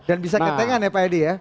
dan bisa ketengan ya pak edy ya